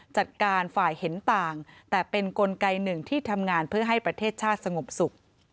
จัดการฝ่ายเห็นต่างแต่เป็นกลไกหนึ่งที่ทำงานเพื่อให้ประเทศชาติสงบสุข